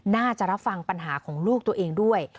น่าจะรับฟังปัญหาของลูกตัวเองด้วย